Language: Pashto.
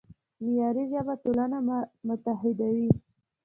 معیاري ژبه ټولنه متحدوي.